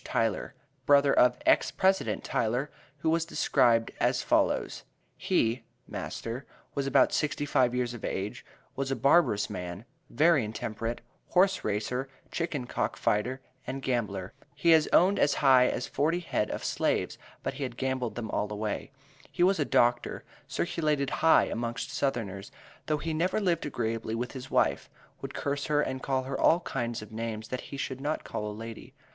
Tyler, brother of EX PRESIDENT TYLER, who was described as follows: "He (master) was about sixty five years of age; was a barbarous man, very intemperate, horse racer, chicken cock fighter and gambler. He had owned as high as forty head of slaves, but he had gambled them all away. He was a doctor, circulated high amongst southerners, though he never lived agreeably with his wife, would curse her and call her all kinds of names that he should not call a lady.